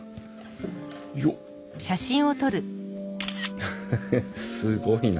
フフフッすごいな。